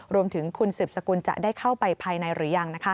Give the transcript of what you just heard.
รวมถึงคุณสืบสกุลจะได้เข้าไปภายในหรือยัง